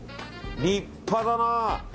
立派だな。